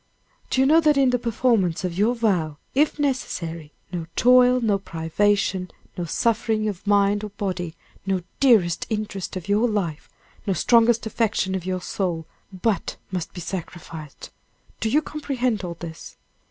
"Do you know that in the performance of your vow, if necessary, no toil, no privation, no suffering of mind or body, no dearest interest of your life, no strongest affection of your soul, but must be sacrificed; do you comprehend all this?"